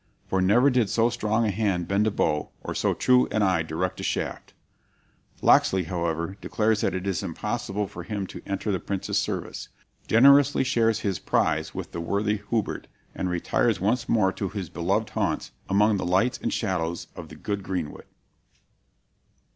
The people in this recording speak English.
For never did so strong a hand bend a bow, or so true an eye direct a shaft.'" [Footnote: Ivanhoe, Vol. 1, chap. XIII.] Locksley, however, declares that it is impossible for him to enter the Prince's service, generously shares his prize with the worthy Hubert, and retires once more to his beloved haunts among the lights and shadows of the good greenwood.